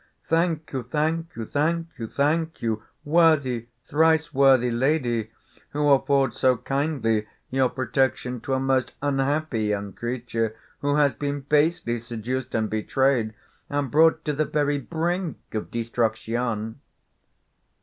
'Thank you, thank you, thank you, thank you, worthy, thrice worthy lady, who afford so kindly your protection to a most unhappy young creature, who has been basely seduced and betrayed, and brought to the very brink of destruction.